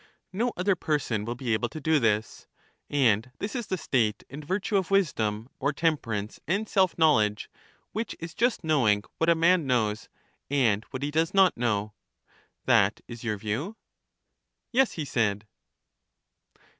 No other person will be able to do this. And this is the state and virtue of wisdom, or tem perance, and self knowledge, which is just knowing what a man knows, and what he does not know. That is your view? Yes, he said.